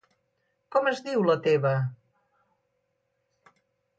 Com es diu la teva!?